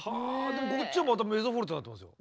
でもこっちはまたメゾフォルテになってますよ。